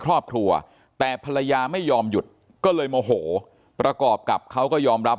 ครอบครัวแต่ภรรยาไม่ยอมหยุดก็เลยโมโหประกอบกับเขาก็ยอมรับ